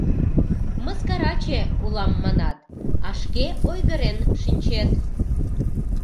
— Мыскараче улам, манат, а шке ойгырен шинчет.